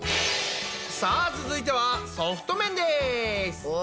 さあ続いてはソフト麺です！